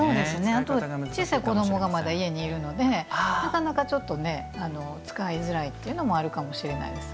あとは、小さい子どもがまだ家にいるのでなかなか使いづらいというのもあるかもしれないです。